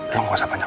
lo ngasah banyak